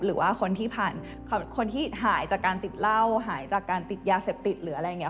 หรือว่าคนที่ผ่านคนที่หายจากการติดเหล้าหายจากการติดยาเสพติดหรืออะไรอย่างนี้